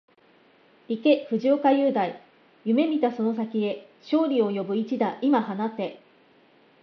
行け藤岡裕大、夢見たその先へ、勝利を呼ぶ一打、今放て